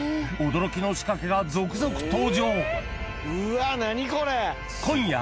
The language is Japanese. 驚きの仕掛けが続々登場。